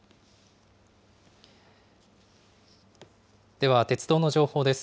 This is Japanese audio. では、鉄道の情報です。